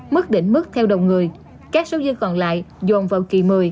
mức đỉnh mức theo đồng người các số dư còn lại dồn vào kỳ một mươi